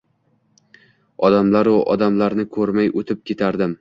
Odamlaru odimlarni ko’rmay o’tib ketardim.